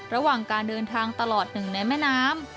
ระหว่างการเดินทางตลอดหนึ่งในแม่น้ำ